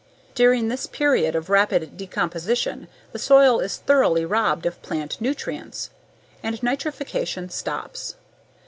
During this period of rapid decomposition the soil is thoroughly robbed of plant nutrients. And nitrification stops.